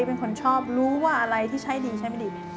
เป็นคนชอบรู้ว่าอะไรที่ใช้ดีใช้ไม่ดี